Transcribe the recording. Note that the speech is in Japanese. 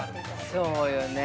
そうよね。